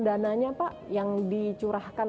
dananya pak yang dicurahkan